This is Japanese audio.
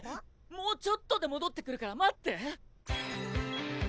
もうちょっとで戻ってくるから待って。